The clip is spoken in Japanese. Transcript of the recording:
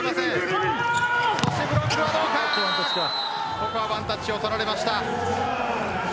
ここはワンタッチを取られました。